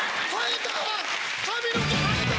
生えた！